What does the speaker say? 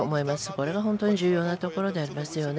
これは本当に重要なところですよね。